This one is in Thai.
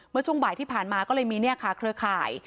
ช่วงบ่ายที่ผ่านมาก็เลยมีเนี่ยค่ะเครือข่าย